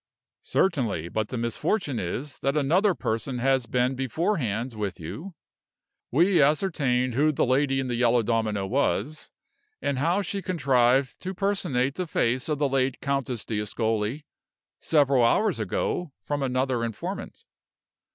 "Certainly; but the misfortune is, that another person has been beforehand with you. We ascertained who the lady in the yellow domino was, and how she contrived to personate the face of the late Countess d'Ascoli, several hours ago from another informant.